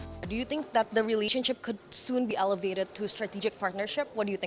saya rasa tahun ini adalah tahun terakhir di summit pemimpin